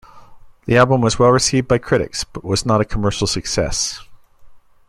The album was well received by critics, but was not a commercial success.